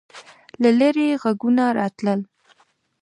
له لیرې غږونه راتلل.